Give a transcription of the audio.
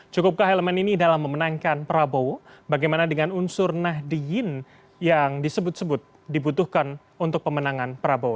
cukupkah elemen ini dalam memenangkan prabowo bagaimana dengan unsur nahdiyin yang disebut sebut dibutuhkan untuk pemenangan prabowo